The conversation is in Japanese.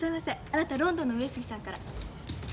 あなたロンドンの上杉さんから。